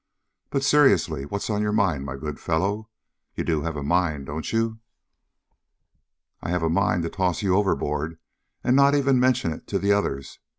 But, seriously, what's on your mind, my good fellow? You do have a mind, don't you?" "I have a mind to toss you overboard, and not even mention it to the others!"